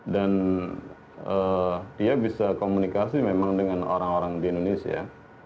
dan dia bisa komunikasi memang dengan orang orang di indonesia